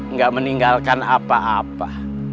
nggak meninggalkan apa apa